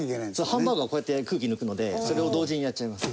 ハンバーグはこうやって空気抜くのでそれを同時にやっちゃいます。